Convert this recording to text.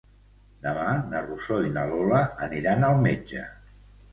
Demà na Rosó i na Lola aniran al metge.